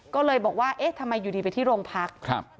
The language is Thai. ก็เลยบอกว่าเอ๊ะทำไมอยู่ดีไปที่โรงพัก